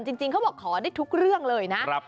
จริงเขาบอกขอได้ทุกเรื่องเลยนะ